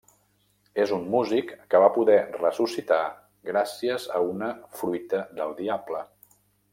És un músic que va poder ressuscitar gràcies a una fruita del diable.